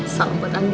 salam buat andin